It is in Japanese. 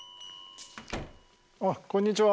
ああこんにちは。